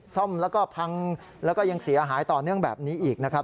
ซ่อมแล้วก็พังแล้วก็ยังเสียหายต่อเนื่องแบบนี้อีกนะครับ